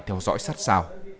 theo dõi sát sao